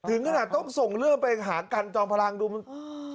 ถึงขนาดต้องส่งเรื่องไปหากันจอมพลังดูมึง